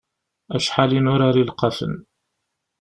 Acḥal i nurar ilqafen!